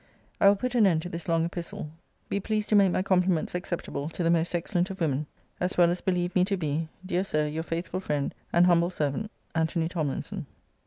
I will put an end to this long epistle. Be pleased to make my compliments acceptable to the most excellent of women; as well as believe me to be, Dear Sir, Your faithful friend, and humble servant, ANTONY TOMLINSON.